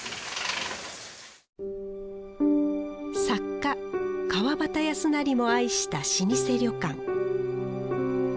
作家川端康成も愛した老舗旅館。